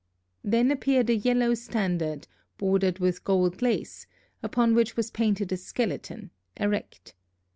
Then appeared a yellow standard bordered with gold lace, upon which was painted a skeleton, erect.